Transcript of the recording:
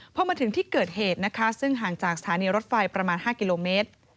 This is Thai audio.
พอมาถึงที่เกิดเหตุนะคะซึ่งห่างจากสถานีรถไฟประมาณ๕กิโลเมตร